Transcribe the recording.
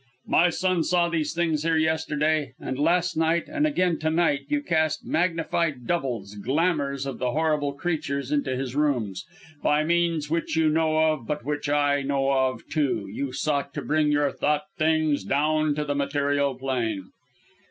"My son saw these things here yesterday; and last night, and again to night, you cast magnified doubles glamours of the horrible creatures into his rooms! By means which you know of, but which I know of, too, you sought to bring your thought things down to the material plane."